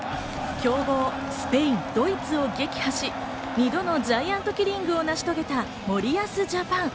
強豪・スペイン、ドイツを撃破し、２度のジャイアントキリングを成し遂げた森保ジャパン。